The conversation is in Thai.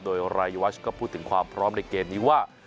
โดยรายวัชก็พูดถึงความพร้อมในเกมนี้ว่า